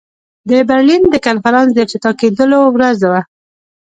د برلین د کنفرانس د افتتاح کېدلو ورځ وه.